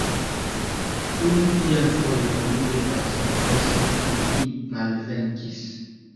Unu plian fojon mi devas konfesi ke mi malvenkis.